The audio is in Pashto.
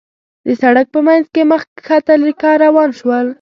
د سړک په مينځ کې مخ کښته ليکه روان شول.